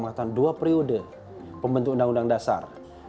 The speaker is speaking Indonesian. mengatakan dua periode pembentuk undang undang dasar